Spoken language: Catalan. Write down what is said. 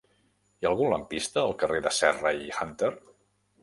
Hi ha algun lampista al carrer de Serra i Hunter?